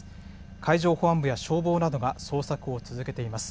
海上保安部や消防などが捜索を続けています。